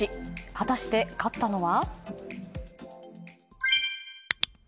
果たして、勝ったのは。